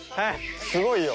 すごいよ。